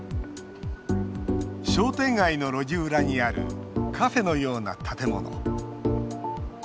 商店街の路地裏にあるカフェのような建物。